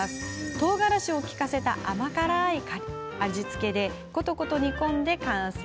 とうがらしを利かせた甘辛い味付けでことこと煮込んで完成。